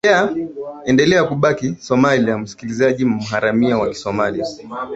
iendelea kumbaki somali msikilizaji maharamia wa kisomali